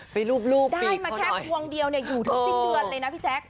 ไปรูปรูปปีกเขาหน่อยได้มาแค่วงเดียวเนี้ยอยู่ทุกสิ้นเดือนเลยน่ะพี่แจ๊ก